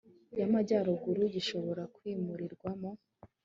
y amajyaruguru gishobora kwimurirwa mu